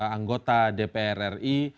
anggota dpr ri